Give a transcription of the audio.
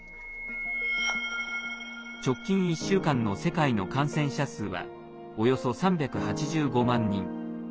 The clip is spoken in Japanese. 直近１週間の世界の感染者数はおよそ３８５万人。